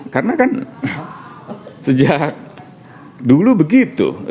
karena kan sejak dulu begitu